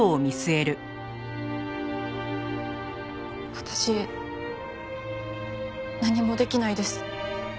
私何もできないです。